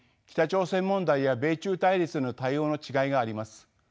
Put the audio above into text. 北朝鮮問題や米中対立への対応の違いがあります。